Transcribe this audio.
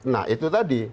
nah itu tadi